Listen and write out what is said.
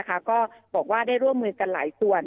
ก็บอกว่าได้ร่วมมือกันหลายส่วน